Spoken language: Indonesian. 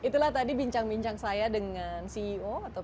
itulah tadi bincang bincang saya dengan ceo